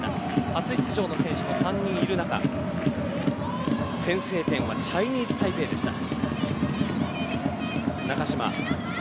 初出場の選手も３人いる中先制点はチャイニーズタイペイでした。